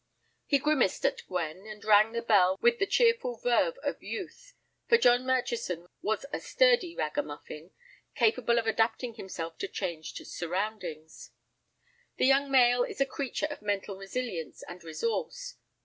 He grimaced at Gwen, and rang the bell with the cheerful verve of youth, for John Murchison was a sturdy ragamuffin, capable of adapting himself to changed surroundings. The young male is a creature of mental resilience and resource.